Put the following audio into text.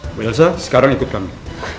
ibu elsa sekarang ikut kami